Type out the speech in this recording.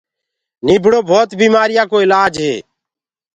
نيٚڀڙو ڀوت بيمآريآن ڪو اِلآج هي